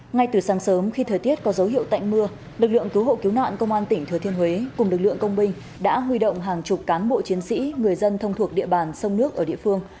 ngay từ sáng sớm khi thời tiết có dấu hiệu tạnh mưa lực lượng cứu hộ cứu nạn công an tỉnh thừa thiên huế cùng lực lượng công binh đã huy động hàng chục cán bộ chiến sĩ người dân thông thuộc địa bàn sông nước ở địa phương